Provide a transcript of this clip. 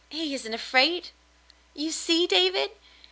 "He isn't afraid, you see, David.